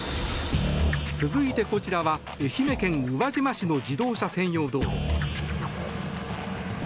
続いてこちらは愛媛県宇和島市の自動車専用道路。